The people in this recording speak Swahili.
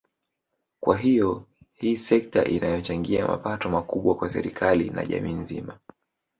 Kwa hiyo hii ni sekta inayochangia mapato makubwa kwa serikali na jamii nzima